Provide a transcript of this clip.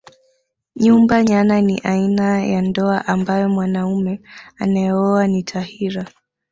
Nyumba nyana ni aina ya ndoa ambayo mwanaume anayeoa ni tahira